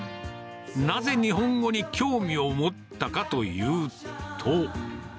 なぜ日本語に興味を持ったかというと。